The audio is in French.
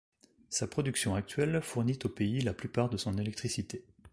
Sa production actuelle fournit au pays la plupart de son électricité.